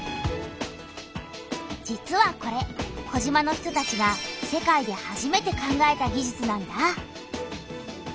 実はこれ児島の人たちが世界で初めて考えた技術なんだ。